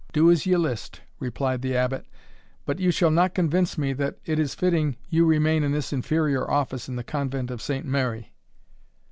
"Do as ye list," replied the Abbot "but you shall not convince me that it is fitting you remain in this inferior office in the convent of Saint Mary."